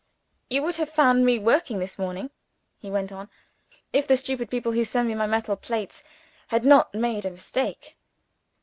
"You would have found me at work this morning," he went on, "if the stupid people who send me my metal plates had not made a mistake.